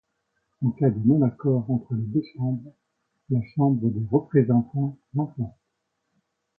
En cas de non accord entre les deux chambres, la chambre des représentants l'emporte.